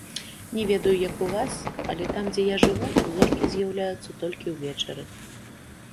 Не ведаю як у вас, але там дзе я жыву, зоркі з'яўляюцца толькі ўвечары.